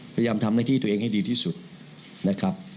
พยายามทำหน้าที่ตัวเองให้ดีที่สุดนะครับ